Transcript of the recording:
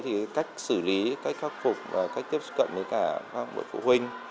thì cách xử lý cách khắc phục và cách tiếp cận với cả các bậc phụ huynh